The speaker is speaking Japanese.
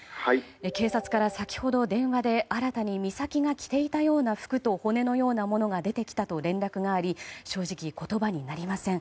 警察から先ほど電話で新たに美咲が着ていたような服と骨のようなものが出てきたと連絡があり正直、言葉になりません。